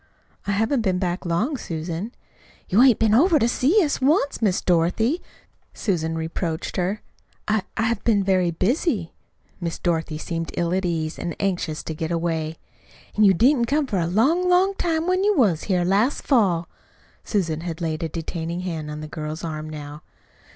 "I haven't been back long, Susan." "You hain't been over to see us once, Miss Dorothy," Susan reproached her. "I I have been very busy." Miss Dorothy seemed ill at ease, and anxious to get away. "An' you didn't come for a long, long time when you was here last fall." Susan had laid a detaining hand on the girl's arm now.